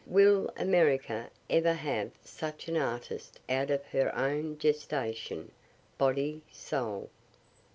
Will America ever have such an artist out of her own gestation, body, soul?